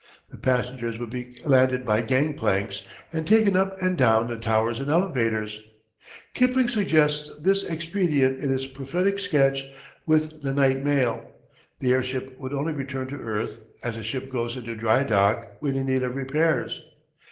The passengers would be landed by gangplanks, and taken up and down the towers in elevators. Kipling suggests this expedient in his prophetic sketch With the Night Mail. The airship would only return to earth as a ship goes into dry dock when in need of repairs.